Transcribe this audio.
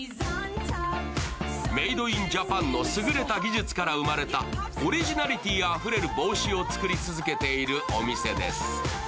メイド・イン・ジャパンの優れた技術から生まれたオリジナリティーあふれる帽子を作り続けているお店です。